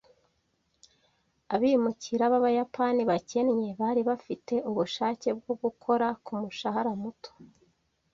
Abimukira b'Abayapani bakennye bari bafite ubushake bwo gukora ku mushahara muto.